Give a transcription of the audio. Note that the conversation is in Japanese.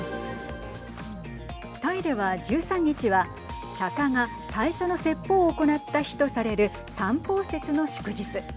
タイでは、１３日は釈迦が最初の説法を行った日とされる三宝節の祝日。